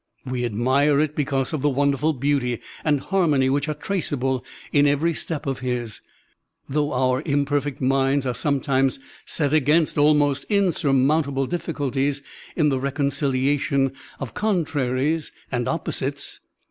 We admire it because of the wonderful beauty and harmony which are traceable in every step of his, though otir imperfect minds are some times set against almost insurmountable difficul ties in the reconciliation of contraries and oppo sites.